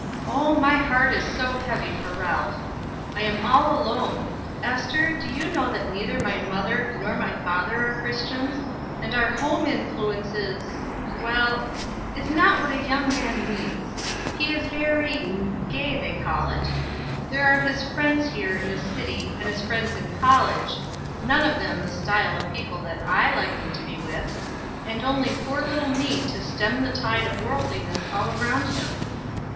Oh, my heart is so heavy for Ralph! I am all alone. Ester, do you know that neither my mother nor my father are Christians, and our home influence is ; well, is not what a young man needs. He is very gay they call it. There are his friends here in the city, and his friends in college, none of them the style of people that I like him to be with, and only poor little me to stem the tide of worldliness all around him.